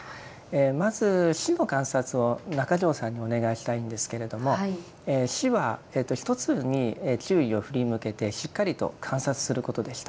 まず「止」の観察を中條さんにお願いしたいんですけれども「止」は一つに注意を振り向けてしっかりと観察することでした。